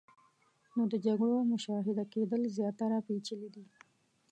نو د جګړو مشاهده کېدل زیاتره پیچلې دي.